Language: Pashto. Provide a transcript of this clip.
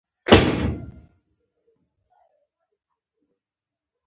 د وسلوالو اسرائیلي عسکرو ډله ییزه ګزمه نا ارامه کوي.